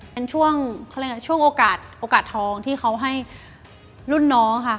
เป็นช่วงช่วงโอกาสทองที่เขาให้รุ่นน้องค่ะ